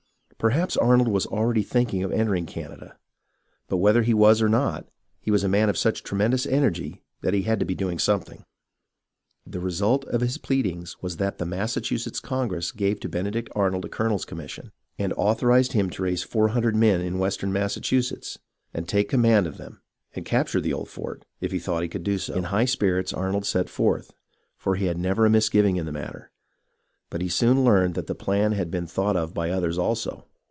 Per haps Arnold was already thinking of entering Canada ; but whether he was or not, he was a man of such tremendous energy that he had to be doing something. The result of his pleadings was that the Massachusetts Congress gave to Benedict Arnold a colonel's commission, and authorized him to raise four hundred men in western Massachusetts and take command of them, and capture the old fort, if he thought he could do so. In high spirits Arnold set forth, for he had never a mis giving in the matter ; but he soon learned that the plan had been thought of by others also.